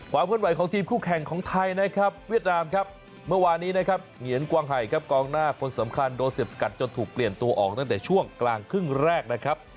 ความเคลื่อนไหวของทีมคู่แข่งของไทยนะครับเวียดนามครับเมื่อวานี้นะครับเหงียนกวางไห่ครับกองหน้าคนสำคัญโดนเสียบสกัดจนถูกเปลี่ยนตัวออกตั้งแต่ช่วงกลางครึ่งแรกนะครับ